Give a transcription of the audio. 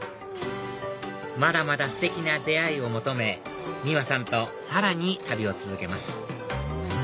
まだまだステキな出会いを求めｍｉｗａさんとさらに旅を続けます